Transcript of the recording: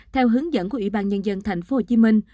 theo hướng dẫn của ủy ban nhân dân thành phố hồ chí minh